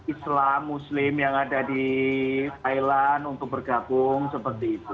islam muslim yang ada di thailand untuk bergabung seperti itu